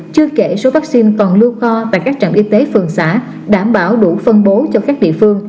chưa kể số vaccine còn lưu kho tại các trạm y tế phường xã đảm bảo đủ phân bố cho các địa phương